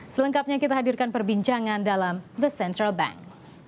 selengkapnya kita hadirkan perbincangan dalam the central bank